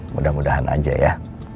mudah mudahan aja ya